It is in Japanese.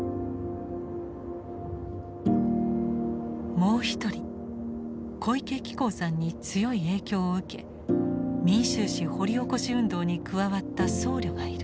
もう一人小池喜孝さんに強い影響を受け民衆史掘り起こし運動に加わった僧侶がいる。